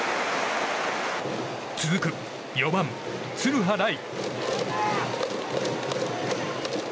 続く４番、鶴羽礼。